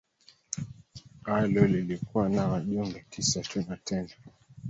alo lilikuwa na wajumbe tisa tu na tena